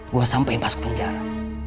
gue sampein masuk penjara